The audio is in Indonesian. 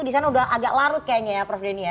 disana udah agak larut kayaknya ya prof deni ya